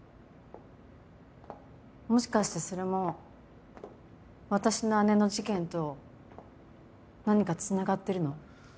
もしかしてそれも私の姉の事件と何かつながってるの？